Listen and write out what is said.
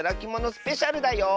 スペシャルだよ！